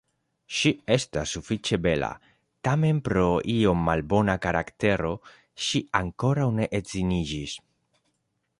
Ŝi estas sufiĉe bela, tamen pro iom malbona karaktero ŝi ankoraŭ ne edziniĝis.